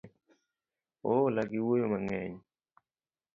Oola gi wuoyo mang'eny